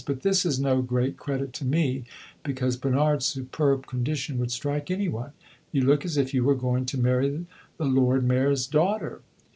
"But this is no great credit to me, because Bernard's superb condition would strike any one. You look as if you were going to marry the Lord Mayor's daughter!"